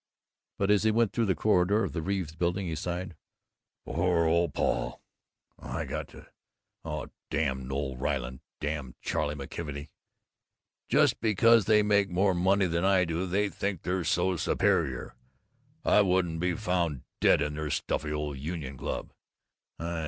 But as he went through the corridor of the Reeves Building he sighed, "Poor old Paul! I got to Oh, damn Noël Ryland! Damn Charley McKelvey! Just because they make more money than I do, they think they're so superior. I wouldn't be found dead in their stuffy old Union Club!